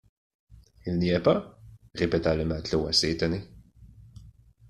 Il n’y est pas?... répéta le matelot assez étonné.